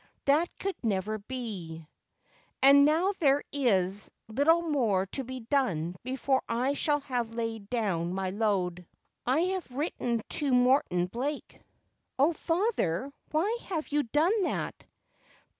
' That could never be.' ' And now there is little more to be done before I shall have lain down my load. I have written to Morton Blake.' ' Oh, father, why have you done that